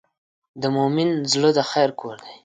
د مؤمن زړه د خیر کور دی.